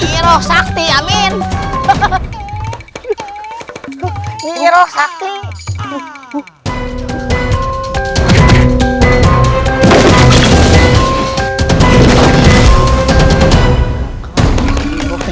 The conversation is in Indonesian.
iroh sakti amin iroh sakti